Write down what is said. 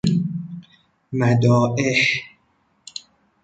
مدائح